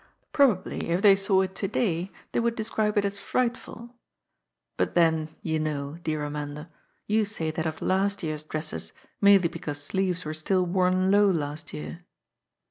Probably, if they saw it to day, they would de scribe it as ^^ frightful," but, then, you know, dear Amanda, you say that of last year's dresses, merely because sleeves were still worn low last year.